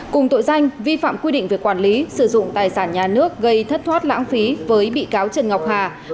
cùng tội danh vi phạm quy định về quản lý sử dụng tài sản nhà nước gây thất thoát lãng phí với bị cáo trần ngọc hà